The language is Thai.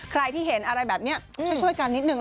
ใครที่เห็นอะไรแบบนี้ช่วยกันนิดนึง